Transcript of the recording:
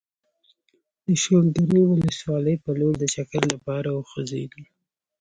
د شولګرې ولسوالۍ په لور د چکر لپاره وخوځېدو.